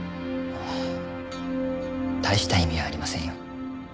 ああ大した意味はありませんよ。